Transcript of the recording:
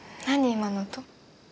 今の音。